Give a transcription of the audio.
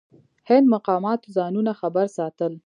هند مقاماتو ځانونه خبر ساتل.